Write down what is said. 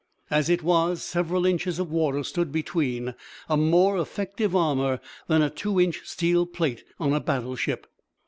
As it was, several inches of water stood between, a more effective armour than a two inch steel plate on a battleship.